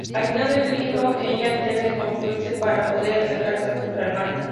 Al final del libro, ella debe prostituirse para poder alimentar a sus hermanos.